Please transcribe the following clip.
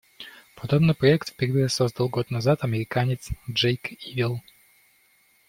Подобный проект впервые создал год назад американец Джейк Ивел.